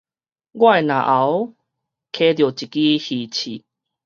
我的嚨喉㧎著一支魚刺